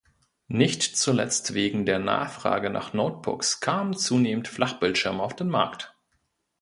Nicht zuletzt wegen der Nachfrage nach Notebooks kamen zunehmend Flachbildschirme auf den Markt.